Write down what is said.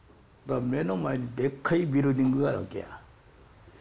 目の前にでっかいビルディングがあるわけや。